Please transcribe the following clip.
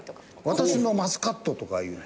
私のマスカットとかいう。